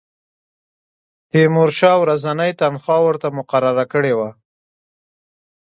تیمورشاه ورځنۍ تنخوا ورته مقرره کړې وه.